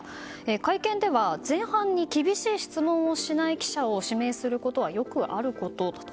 会見では前半に厳しい質問をしない記者を指名することはよくあることだと。